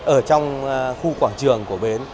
ở trong khu quảng trường của bến